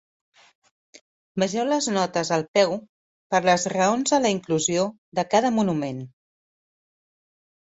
Vegeu les notes al peu per les raons de la inclusió de cada monument.